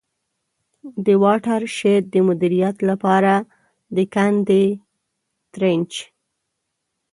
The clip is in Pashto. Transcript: د واټر شید د مدیریت له پاره د کندي Trench.